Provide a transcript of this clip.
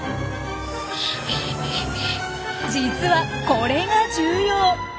実はこれが重要！